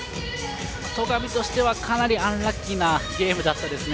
戸上としてはかなりアンラッキーなゲームでしたね。